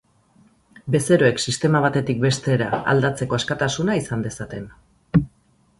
Bezeroek sistema batetik bestera aldatzeko askatasuna izan dezaten.